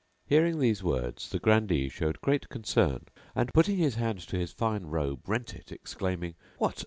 Hearing these words the grandee showed great concern and, putting his hand to his fine robe, rent it exclaiming, "What!